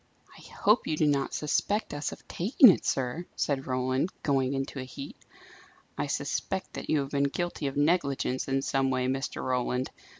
"I hope you do not suspect us of taking it, sir!" said Roland, going into a heat. "I suspect that you have been guilty of negligence in some way, Mr. Roland.